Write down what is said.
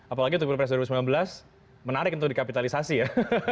apalagi untuk pilpres dua ribu sembilan belas menarik untuk dikapitalisasi ya